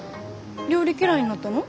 料理嫌いになったの？